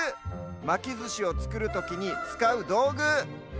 まきずしをつくるときにつかうどうぐ。